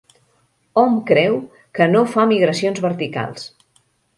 Hom creu que no fa migracions verticals.